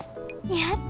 やった！